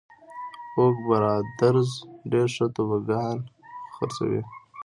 اوک برادرز ډېر ښه توبوګان خرڅوي.